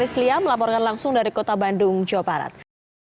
rizlia melaporkan langsung dari kota bandung jawa barat